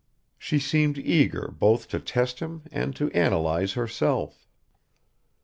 She seemed eager both to test him and to analyse herself.